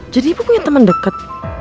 jadi ibu punya temen deket